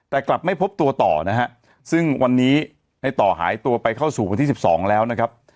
แต่กลับไม่พบตัวต่อนะฮะซึ่งวันนี้ในต่อหายตัวไปเข้าสู่วันที่๑๒แล้วนะครับ